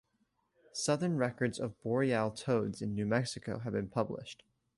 Southern records of boreal toads in New Mexico have been published.